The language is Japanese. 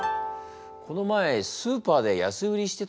この前スーパーで安売りしてたな。